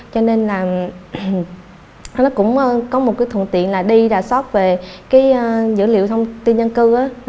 cho nên là nó cũng có một cái thùng tiện là đi ra soát về dữ liệu thông tin dân cư